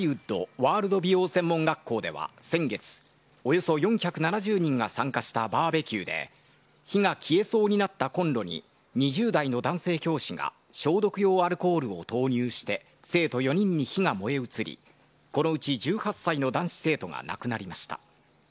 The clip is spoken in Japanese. ワールド美容専門学校では先月、およそ４７０人が参加したバーベキューで火が消えそうになったコンロに２０代の男性教師が消毒用アルコールを投入して生徒４人に火が燃え移りこのうち、１８歳の男子生徒が亡くなりました。